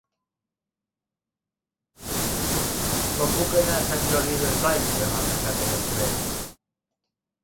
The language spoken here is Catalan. Com puc anar a Sant Jordi Desvalls demà passat a les tres?